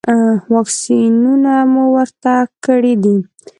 واکسینونه مو ورته کړي دي؟